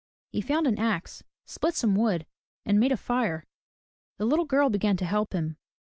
He found an axe, split some wood, and made a fire. The little girl began to help him.